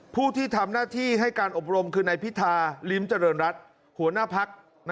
ผู้ที่ทำหน้าที่ให้การอบรมคือนายพิธาลิ้มเจริญรัฐหัวหน้าพัก